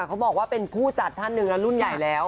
เขาบอกว่าเป็นผู้จัดท่านหนึ่งแล้วรุ่นใหญ่แล้ว